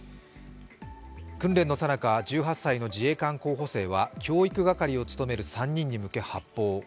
訓練のさなか、１８歳の自衛官候補生は教育係を務める３人に向け発砲。